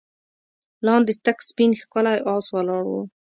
لاندې تک سپين ښکلی آس ولاړ و.